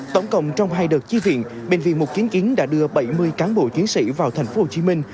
tổng cộng trong hai đợt chi viện bệnh viện một trăm chín mươi chín đã đưa bảy mươi cán bộ chiến sĩ vào thành phố hồ chí minh